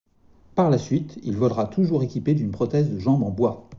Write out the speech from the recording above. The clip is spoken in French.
Par la suite, il volera toujours équipé d'une prothèse de jambe en bois.